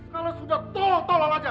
kalian sudah tolong tolong saja